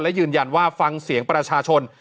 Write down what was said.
และยืนยันว่าฟังเสียงประชาชน